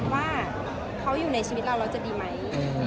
ว่าเขาอยู่ในชีวิตเราเราจะดีไหม